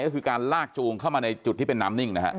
ก็คือการลากจูงเข้ามาในจุดที่เป็นน้ำนิ่งนะฮะ